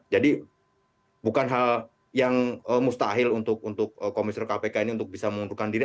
jadi bukan hal yang mustahil untuk komisioner kpk ini untuk bisa mundurkan diri